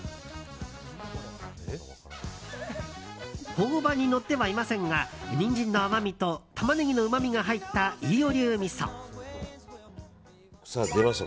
朴葉にのってはいませんがニンジンの甘みとタマネギのうまみが入った飯尾流みそ。出ました！